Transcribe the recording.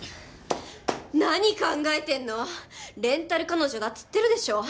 何考えてんの⁉「レンタル彼女」だっつってるでしょ！